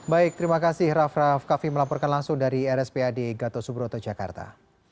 baik terima kasih raff raff kaffi melaporkan langsung dari rspad gatot subroto jakarta